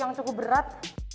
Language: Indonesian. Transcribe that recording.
yang cukup berat